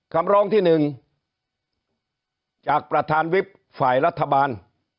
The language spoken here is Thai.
คำร้องที่๑จากประธานวิบฝ่ายรัฐบาล